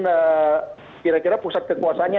sekarang dia halikan kira kira pusat kekuasanya